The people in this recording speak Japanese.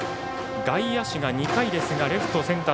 外野手が２回ですがレフト、センター